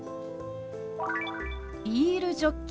「ビールジョッキ」。